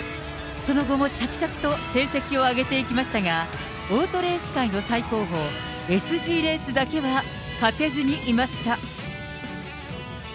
その後も着々と成績を上げていきましたが、オートレース界の最高峰、ＳＧレースだけは、勝てずにいました。